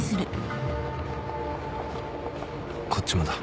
「こっちもだ。